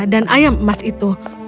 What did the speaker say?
dan ayam emas itu